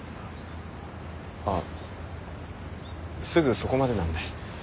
ああすぐそこまでなんで。